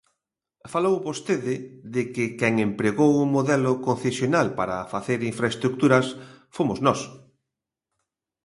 Falou vostede de que quen empregou o modelo concesional para facer infraestruturas fomos nós.